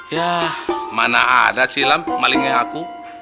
yah mana ada sih delam malingnya aku